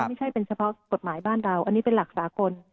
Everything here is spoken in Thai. ไม่ใช่เป็นเฉพาะกฎหมายบ้านเราอันนี้เป็นหลักสากล